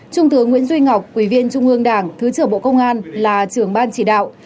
trung tướng nguyễn duy ngọc ủy viên trung ương đảng thứ trưởng bộ công an là trưởng ban chỉ đạo